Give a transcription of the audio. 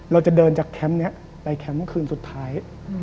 เราจะเดินจากแคมป์นี้ไปแคมป์เมื่อคืนสุดท้าย